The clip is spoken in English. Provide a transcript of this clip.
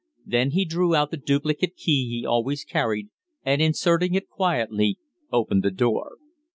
Then he drew out the duplicate key he always carried, and, inserting it quietly, opened the door.